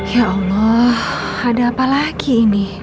ya allah ada apa lagi ini